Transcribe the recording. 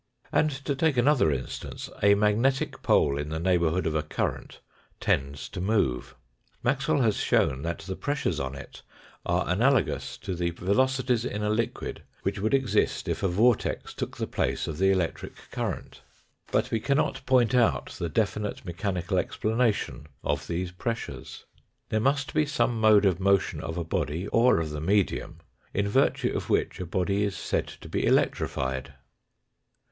And, to take another instance : a magnetic pole in the neighbourhood of a current tends to move. Maxwell has shown that the pressures on it are analogous to the velocities in a liquid which would exist if a vortex took the place of the electric current ; but we cannot point out the definite mechanical explanation of these pressures. There must be some mode of motion of a body or of the medium in virtue of which a body is said to be electrified.